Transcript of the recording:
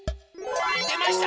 でました！